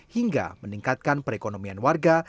hingga meningkatkan perekonomian warga